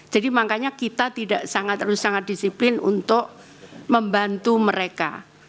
jadi makanya kita tidak sangat harus sangat disiplin untuk membantu mereka